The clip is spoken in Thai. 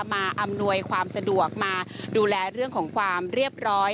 อำนวยความสะดวกมาดูแลเรื่องของความเรียบร้อย